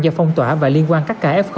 do phong tỏa và liên quan các kf